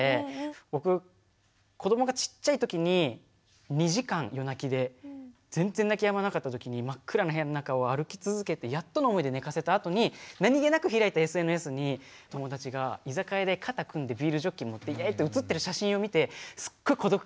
僕子どもがちっちゃい時に２時間夜泣きで全然泣きやまなかった時に真っ暗な部屋の中を歩き続けてやっとの思いで寝かせたあとに何気なく開いたＳＮＳに友達が居酒屋で肩組んでビールジョッキ持ってイエイって写ってる写真を見てすっごく孤独感にさいなまれたんですよ。